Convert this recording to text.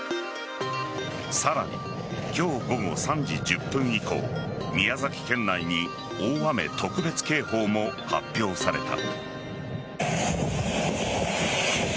さらに、今日午後３時１０分以降宮崎県内に大雨特別警報も発表された。